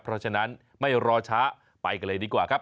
เพราะฉะนั้นไม่รอช้าไปกันเลยดีกว่าครับ